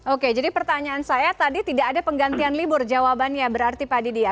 oke jadi pertanyaan saya tadi tidak ada penggantian libur jawabannya berarti pak didi ya